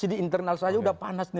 di internal saja sudah panas